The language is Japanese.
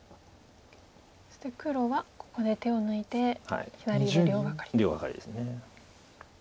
そして黒はここで手を抜いて左上両ガカリ。